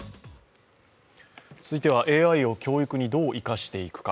続いてはＡＩを教育にどう生かしていくか。